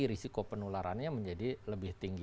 risiko penularannya menjadi lebih tinggi